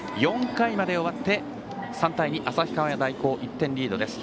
４回まで終わって３対２と旭川大高、１点リードです。